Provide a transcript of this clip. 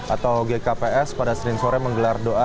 atau gkps pada senin sore menggelar doa